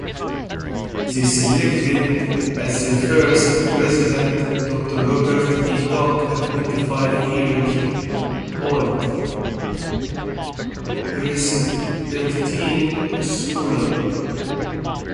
They selected as their first president, Doctor Robert E. Doak, a twenty-five-year-old Presbyterian scholar.